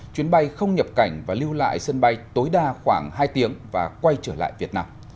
chuyến bay không nhập cảnh và lưu lại sân bay tối đa khoảng hai tiếng và quay trở lại việt nam